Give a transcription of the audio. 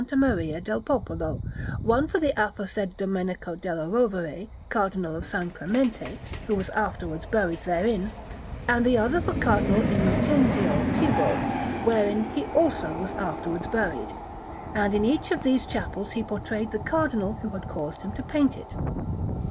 Maria del Popolo, one for the aforesaid Domenico della Rovere, Cardinal of San Clemente, who was afterwards buried therein, and the other for Cardinal Innocenzio Cibo, wherein he also was afterwards buried; and in each of these chapels he portrayed the Cardinal who had caused him to paint it.